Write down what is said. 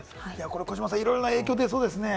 児嶋さん、いろんな影響が出そうですね。